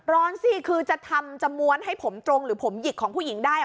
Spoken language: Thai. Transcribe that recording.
สิคือจะทำจะม้วนให้ผมตรงหรือผมหยิกของผู้หญิงได้